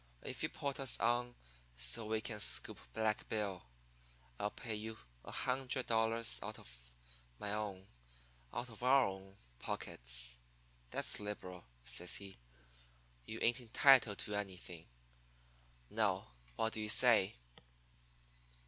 'If you put us on so we can scoop Black Bill, I'll pay you a hundred dollars out of my own out of our own pockets. That's liberal,' says he. 'You ain't entitled to anything. Now, what do you say?'